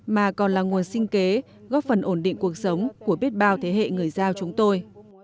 mà còn là nguồn sinh kế góp phần ổn định cuộc sống của biết bao thế hệ người giao chúng tôi